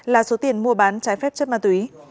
là số tiền mua bán trái phép chất ma túy